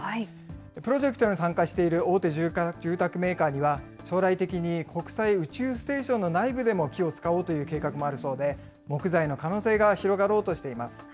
プロジェクトに参加している大手住宅メーカーには、将来的に国際宇宙ステーションの内部でも木を使おうという計画もあるそうで、木材の可能性が広がろうとしています。